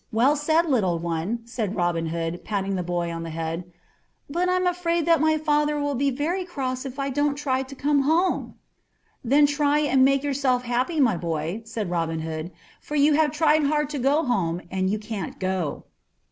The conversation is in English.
Well said, little one," cried Robin Hood, patting the boy on the head. "But I'm afraid that my father will be very cross if I don't try to go home." "Then try and make yourself happy, my boy," said Robin Hood, "for you have tried hard to go home, and you cannot go."